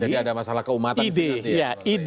jadi ada masalah keumatan